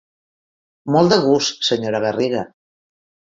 Molt de gust, senyora Garriga.